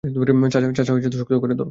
চাচা, শক্ত করে ধরো।